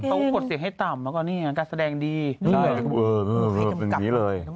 ถ้ากดเสียงให้ต่ำแล้วก็แก่สะแดงตอบดี